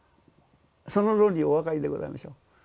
その論理お分かりでございましょ？